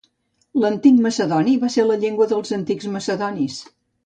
L'antic macedoni va ser la llengua dels antics macedonis.